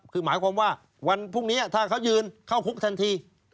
คือหมายความว่าวันพรุ่งนี้ถ้าเขายืนเข้าคุกทันที